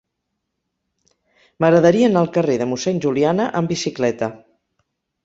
M'agradaria anar al carrer de Mossèn Juliana amb bicicleta.